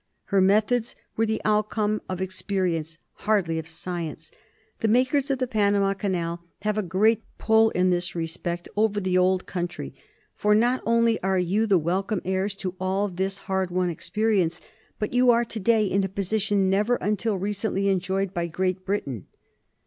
Her methods were the outcome of experience ; hardly of science. The makers of the Panama Canal have a great pull in this respect over the old country ; for not only are you the welcome heirs to all this hard won experience, but you are to day in a position never until recently enjoyed by Great Britain.